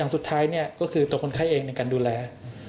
สุดท้ายก็คือตัวคนไข้เองในการดูแล